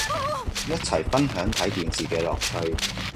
一齊分享睇電視嘅樂趣